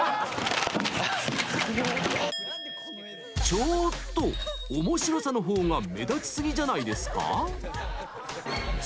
ちょーっと面白さのほうが目立ちすぎじゃないですか？